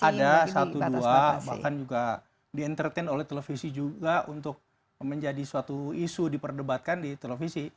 ada satu dua bahkan juga di entertain oleh televisi juga untuk menjadi suatu isu diperdebatkan di televisi